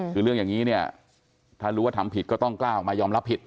คือเรื่องอย่างนี้เนี่ยถ้ารู้ว่าทำผิดก็ต้องกล้าออกมายอมรับผิด